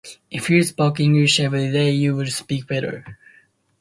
If you spoke English every day, you would speak better.